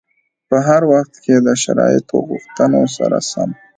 په هر وخت کې د شرایطو غوښتنو سره سم.